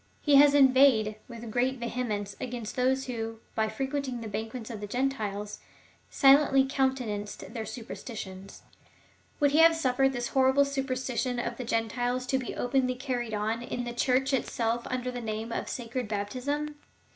He has inveighed with great vehemence against those who, by frequenting the banquets of the Gentiles, silently counte nanced their superstitions. Would he have suiFered this horrible superstition of the Gentiles to be openly carried on in the Church itself under the name of sacred baptism